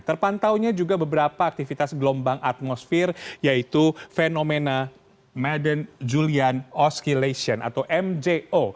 terpantaunya juga beberapa aktivitas gelombang atmosfer yaitu fenomena maden julian osculation atau mjo